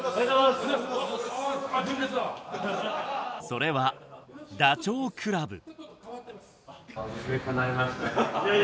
それは、ダチョウ倶楽部。